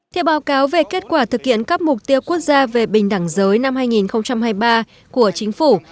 theo báo cáo về kết quả thực hiện các mục tiêu quốc gia về bình đẳng giới năm hai nghìn hai mươi ba của chính phủ